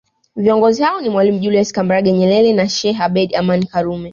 Viongozi hao ni mwalimu Julius Kambarage Nyerere na Sheikh Abed Amani Karume